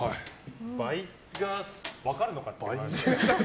倍が分かるのかっていう。